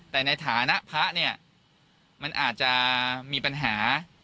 แต่ในฐานะพระเนี่ยมันอาจจะมีปัญหา